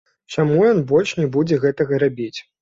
Чаму ён больш не будзе гэтага рабіць?